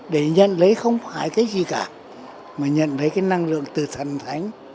để nhận lấy không phải cái gì cả mà nhận lấy cái năng lượng từ thần thánh